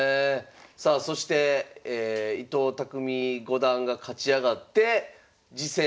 さあそして伊藤匠五段が勝ち上がって次戦